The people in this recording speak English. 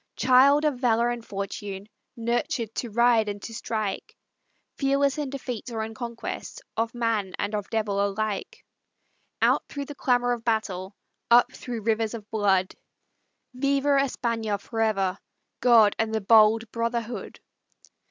Child of valor and fortune, Nurtured to ride and to strike, Fearless in defeat or in conquest, Of man and of devil alike; Out through the clamor of battle, Up through rivers of blood, "Viva España forever! God and the bold Brotherhood!